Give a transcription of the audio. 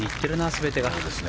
全てが。